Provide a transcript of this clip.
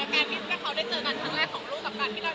มีใครปิดปาก